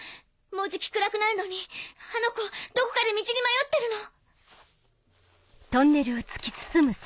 もうじき暗くなるのにあの子どこかで道に迷ってるの。